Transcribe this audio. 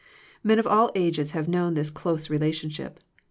Men of all ages have known this close relationship.